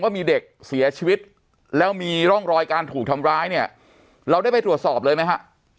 มีเด็กเสียชีวิตแล้วมีร่องรอยการถูกทำร้ายเนี่ยเราได้ไปตรวจสอบเลยไหมฮะ